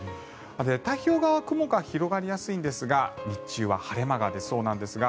太平洋側は雲が広がりそうなんですが日中は晴れ間が広がりそうです。